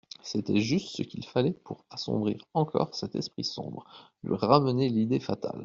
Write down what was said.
C'était juste ce qu'il fallait pour assombrir encore cet esprit sombre, lui ramener l'idée fatale.